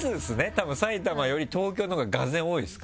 たぶん埼玉より東京のほうが俄然多いですか？